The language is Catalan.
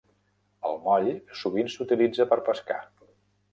El moll sovint s'utilitza per pescar.